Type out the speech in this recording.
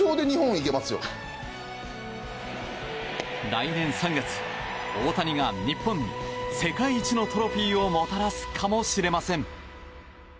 来年３月、大谷が日本に世界一のトロフィーをもたらすかもしれません。